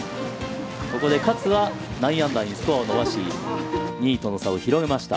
ここで勝は９アンダーにスコアを伸ばし、２位との差を広げました。